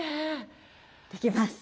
できます。